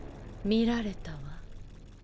見られたわ。